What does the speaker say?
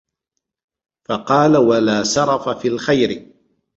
فَقَالَ وَلَا سَرَفَ فِي الْخَيْرِ